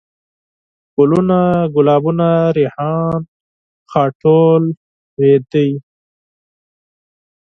ګلوونه ،ګلابونه ،ريحان ،غاټول ،رېدی